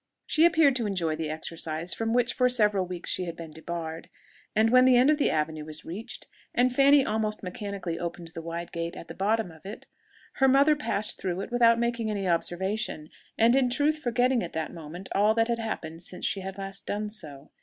She appeared to enjoy the exercise from which for several weeks she had been debarred; and when the end of the avenue was reached, and Fanny almost mechanically opened the wide gate at the bottom, of it, her mother passed through it without making any observation, and in truth forgetting at that moment all that had happened since she had last done so.